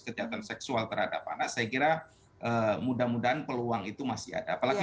kejahatan seksual terhadap anak saya kira mudah mudahan peluang itu masih ada apalagi